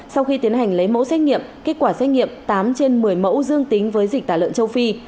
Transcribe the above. sau khi tiến hành lấy mẫu xét nghiệm kết quả xét nghiệm tám trên một mươi mẫu dương tính với dịch tả lợn châu phi